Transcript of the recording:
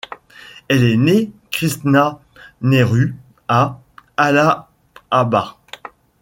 Elle est née Krishna Nehru, à Allahabad.